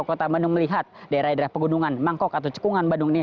kota bandung melihat daerah daerah pegunungan mangkok atau cekungan bandung ini